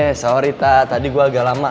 eh sorry ta tadi gue agak lama